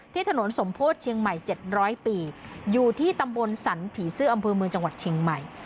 ถนนสมโพธิเชียงใหม่๗๐๐ปีอยู่ที่ตำบลสรรผีซื้ออำเภอเมืองจังหวัดเชียงใหม่